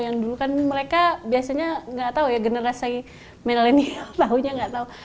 yang dulu kan mereka biasanya nggak tahu ya generasi milenial tahunya nggak tahu